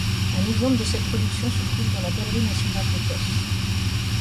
Un exemple de cette production se trouve dans la Galerie nationale d'Écosse.